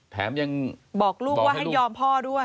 แถมยังบอกลูกว่าให้ยอมพ่อด้วย